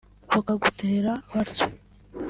bakagutera batyo